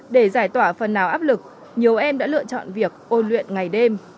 để giải tỏa phần nào áp lực nhiều em đã lựa chọn việc ôn luyện ngày đêm